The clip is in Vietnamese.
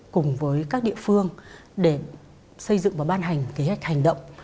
cùng với các địa phương để xây dựng và ban hành kế hoạch hành động